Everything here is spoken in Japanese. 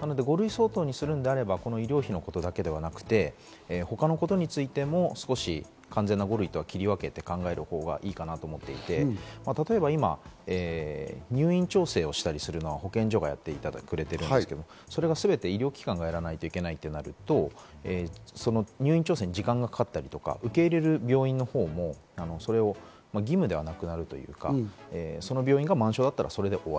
なので５類相当にするのであれば医療費のことだけではなくて、他のことについても少し完全な５類とは切り分けて考えたほうがいいかなと思っていて、例えば今、入院調整をしたりするのは保健所がやってくれているんですけど、それがすべて医療機関がやらなければならないとなると、入院調整に時間がかかったり受け入れる病院の方も義務ではなくなるというか、その病院が満床だったらそれで終わり。